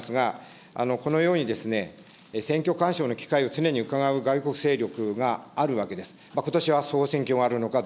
そういう中で、総理にお伺いをしますが、このように選挙干渉の機会を常にうかがう外国勢力があるわけです。